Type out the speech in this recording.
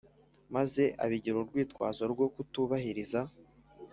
maze abigira urwitwazo rwo kutubahiriza